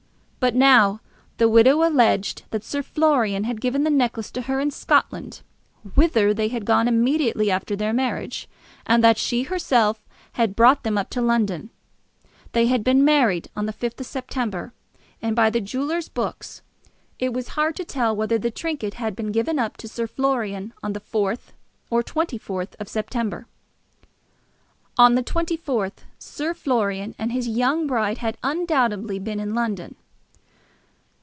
But now the widow alleged that Sir Florian had given the necklace to her in Scotland, whither they had gone immediately after their marriage, and that she herself had brought them up to London. They had been married on the 5th of September; and by the jewellers' books it was hard to tell whether the trinket had been given up to Sir Florian on the 4th or 24th of September. On the 24th Sir Florian and his young bride had undoubtedly been in London.